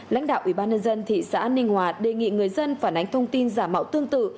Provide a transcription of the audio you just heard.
lãnh đạo ủy ban nhân dân thị xã ninh hòa đề nghị người dân phản ánh thông tin giả mạo tương tự